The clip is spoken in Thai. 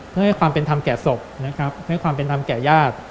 เพื่อให้ความเป็นธรรมแก่ศพทำแก่ยาด